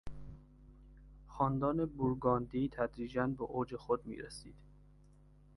خاندان بور گاندی تدریجا به اوج خود میرسید.